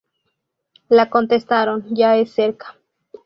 La contestaron; ya es cerca.